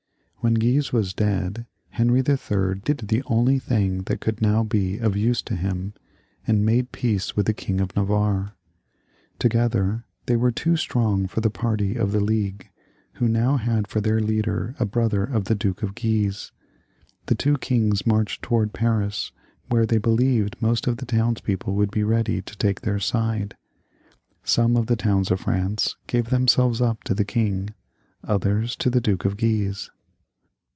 When Guise was dead, Henry III. did the only thing that could now be of use to him, and made peace with the King of Navarre. Together they were too strong for the party of the League, who now had for their leader a brother of the Duke of Guise. The two kings marched towards Paris, where they believed most of the townspeople would be ready to take their side. Some of the towns of France gave themselves up to the king, others to the Duke of Guise.